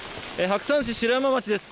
白山市白山町です。